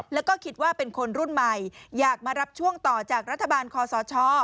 แล้วก็คิดว่าเป็นคนรุ่นใหม่อยากมารับช่วงต่อจากรัฐบาลคอสช